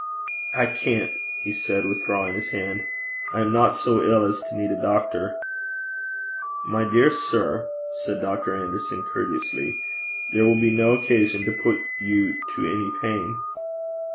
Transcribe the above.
'I can't,' he said, withdrawing his hand. 'I am not so ill as to need a doctor.' 'My dear sir,' said Dr. Anderson, courteously, 'there will be no occasion to put you to any pain.'